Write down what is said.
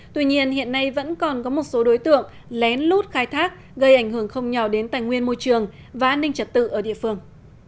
tuy nhiên hiện nay vẫn còn có một số đối tượng lén lút khai thác gây ảnh hưởng không nhỏ đến tài nguyên môi trường và an ninh trật tự ở địa phương